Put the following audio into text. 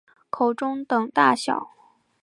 口中等大小。